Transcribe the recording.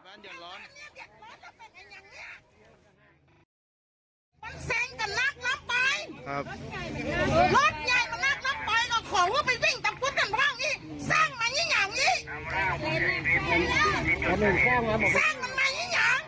อันนี้ในพวกสายนี้สร้างนั้นมายัง